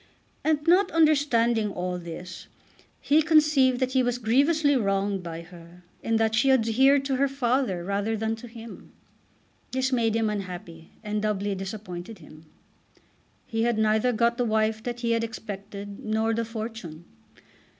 And, not understanding all this, he conceived that he was grievously wronged by her in that she adhered to her father rather than to him. This made him unhappy, and doubly disappointed him. He had neither got the wife that he had expected nor the fortune.